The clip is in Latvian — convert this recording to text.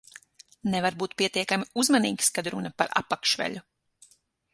Nevar būt pietiekami uzmanīgs, kad runa par apakšveļu.